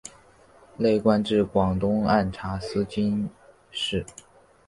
累官至广东按察司佥事。